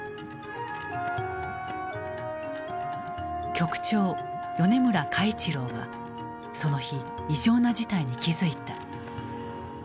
局長・米村嘉一郎はその日異常な事態に気付いた。